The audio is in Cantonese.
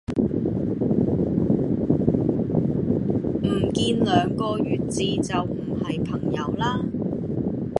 唔見兩個月字就唔係朋友啦